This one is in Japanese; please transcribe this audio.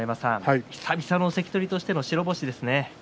久々の関取としての白星ですね。